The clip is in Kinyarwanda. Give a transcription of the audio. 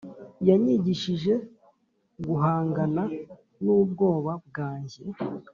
yanyigishije guhangana n'ubwoba bwanjye,